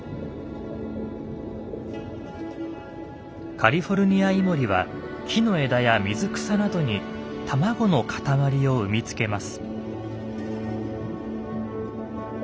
カリフォルニアイモリは木の枝や水草などに卵の塊を産み付けます。